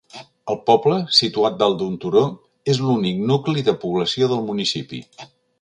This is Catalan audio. El poble, situat dalt d'un turó, és l'únic nucli de població del municipi.